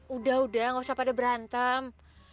udah udah gak usah pada berantem